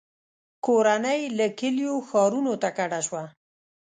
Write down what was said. • کورنۍ له کلیو ښارونو ته کډه شوه.